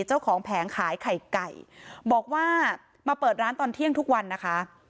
แผงขายไข่ไก่บอกว่ามาเปิดร้านตอนเที่ยงทุกวันนะคะ